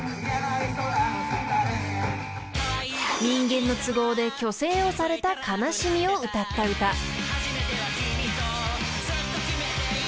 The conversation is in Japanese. ［人間の都合で去勢をされた悲しみを歌った歌］